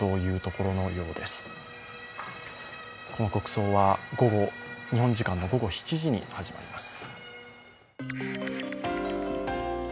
この国葬は日本時間の午後７時に始まります。